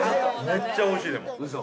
めっちゃおいしいでもウソ？